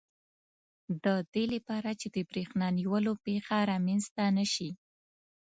د دې لپاره چې د بریښنا نیولو پېښه رامنځته نه شي.